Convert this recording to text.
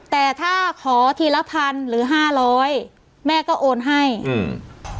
แต่ถ้าขอทีละพันหรือห้าร้อยแม่ก็โอนให้อืม